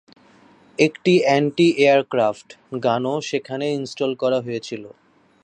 একটি "anti aircraft" গানও সেখানে ইনস্টল করা হয়েছিল।